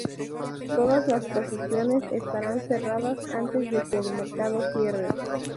Todas las posiciones estarán cerradas antes de que el mercado cierre.